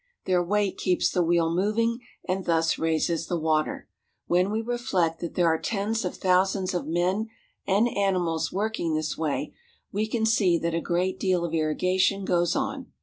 Their weight keeps the wheel moving, and thus raises the water. When we reflect that there are tens of thousands of men and animals working this way, we can see that a great deal of irrigation goes on.